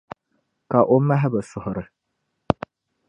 Ka O mahi bɛ suhiri.